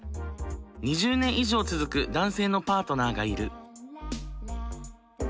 ２０年以上続く男性のパートナーがいる。